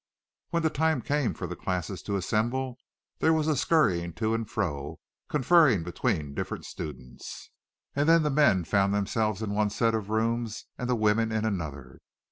When the time came for the classes to assemble there was a scurrying to and fro, conferring between different students, and then the men found themselves in one set of rooms and the women in another.